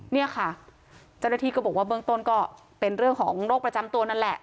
เนี่ยค่ะเจ้าหน้าที่ก็บอกว่าเบื้องต้นก็เป็นเรื่องของโรคประจำตัวนั่นแหละ